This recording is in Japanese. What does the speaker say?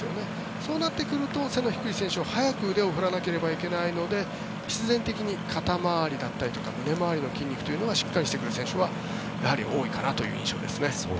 そうなってくると背の低い選手は速く腕を振らなければいけないので必然的に肩回りとか腕回りの筋肉がしっかりしてくる選手はやはり多いかなという印象です。